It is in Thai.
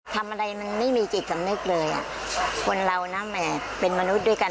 ทำอะไรมันไม่มีจิตสำนึกเลยอ่ะคนเรานะแหมเป็นมนุษย์ด้วยกัน